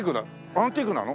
アンティークなの？